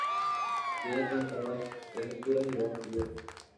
Tiene planta baja, tres alturas y bajocubierta.